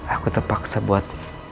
aku terpaksa buat